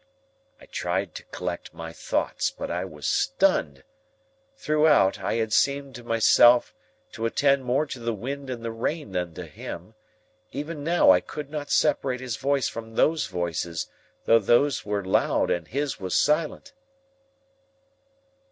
I tried to collect my thoughts, but I was stunned. Throughout, I had seemed to myself to attend more to the wind and the rain than to him; even now, I could not separate his voice from those voices, though those were loud and his was silent.